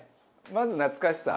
まず懐かしさ。